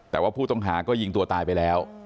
แต่ว่าผู้ต้องหาก็ยิงตัวตายไปแล้ว